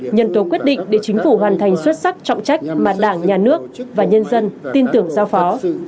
nhân tố quyết định để chính phủ hoàn thành xuất sắc trọng trách mà đảng nhà nước và nhân dân tin tưởng giao phó